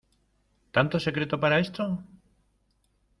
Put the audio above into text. ¿ tanto secreto para esto?